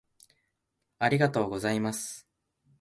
ありがとうございます。